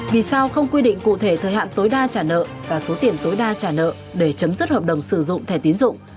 vì sao không quy định cụ thể thời hạn tối đa trả nợ và số tiền tối đa trả nợ để chấm dứt hợp đồng sử dụng thẻ tiến dụng